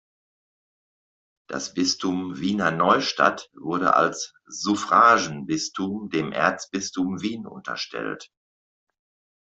Das Bistum Wiener Neustadt wurde als Suffraganbistum dem Erzbistum Wien unterstellt.